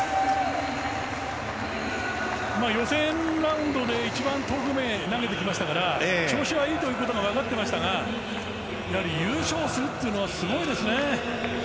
予選ラウンドで一番遠くへ投げてきましたから調子はいいということは分かってましたがやはり、優勝するというのはすごいですね。